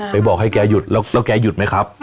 บอกให้แกหยุดแล้วแกหยุดไหมครับ